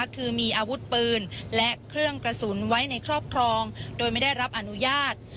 คือมีอาวุธปืนและเครื่องกระสุนไว้ในครอบครองโดยไม่ได้รับอนุญาต